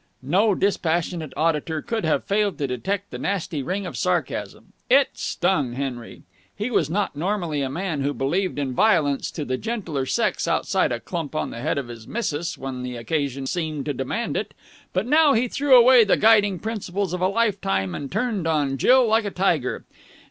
No dispassionate auditor could have failed to detect the nasty ring of sarcasm. It stung Henry. He was not normally a man who believed in violence to the gentler sex outside a clump on the head of his missus when the occasion seemed to demand it; but now he threw away the guiding principles of a lifetime and turned on Jill like a tiger.